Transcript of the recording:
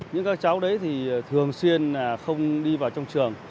những các cháu đấy thì thường xuyên không đi vào trong trường